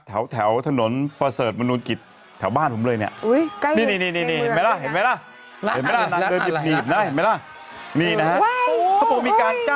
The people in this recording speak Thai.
แถวแถวถนนฟาเสิร์ชลต์วนโนคริดแถวบ้านผมเลยเนี่ย